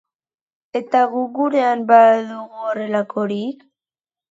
Eta guk gurean ba al dugu horrelakorik?